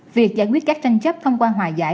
việc giải quyết các tranh chấp thông qua hòa giải